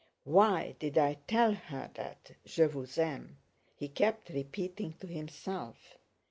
"Why did I tell her that 'Je vous aime'?" he kept repeating to himself.